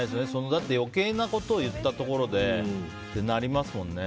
だって、余計なことを言ったところでってなりますよね。